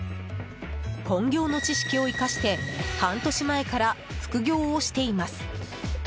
本業の知識を生かして半年前から副業をしています。